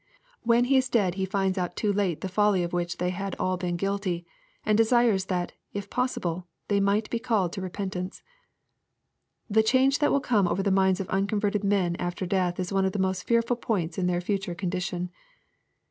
When he is dead he finds out too late the folly of which they had all been guilty, and desires that, if possible, they might be called to repentance. The change that will come over the minds of uncon verted men after death is one of the most fearful points in their future condition.